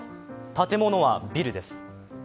建物はビルです。